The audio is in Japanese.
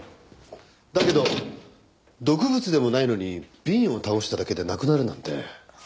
だけど毒物でもないのに瓶を倒しただけで亡くなるなんて。